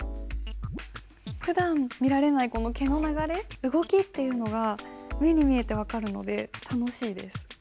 ふだん見られないこの毛の流れ動きっていうのが目に見えて分かるので楽しいです。